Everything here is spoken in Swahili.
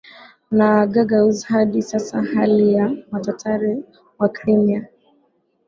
na Gagauz Hadi sasa hali ya Watatari wa Crimea